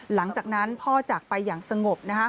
หลังจากนั้นพ่อจักรไปอย่างสงบนะค่ะ